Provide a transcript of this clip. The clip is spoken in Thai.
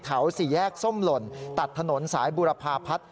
สี่แยกส้มหล่นตัดถนนสายบุรพาพัฒน์